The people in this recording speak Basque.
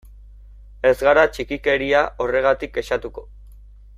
Ez gara txikikeria horregatik kexatuko.